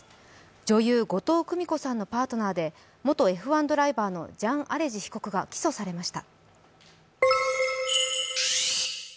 女優・後藤久美子さんのパートナーで元Ｆ１ドライバーのジャン・アレジ被告が起訴されました。